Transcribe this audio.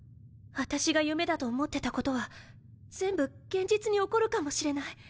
私が夢だと思ってたことは全部現実に起こるかもしれない。